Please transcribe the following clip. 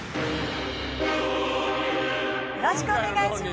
よろしくお願いします！